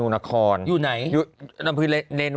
มันก็บางดึง